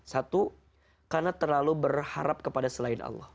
satu karena terlalu berharap kepada selain allah